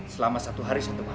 selama satu hari satu malam